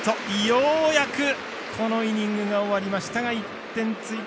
ようやく、このイニングが終わりましたが１点追加。